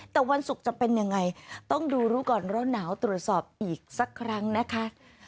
แต่วันศุกร์จะเป็นยังไงต้องดูรู้ก่อนร้อนหนาวตรวจสอบอีกสักครั้งนะคะ